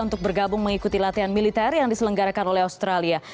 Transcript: untuk bergabung mengikuti latihan militer yang diselenggarakan oleh australia